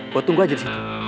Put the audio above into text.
gue tunggu aja di situ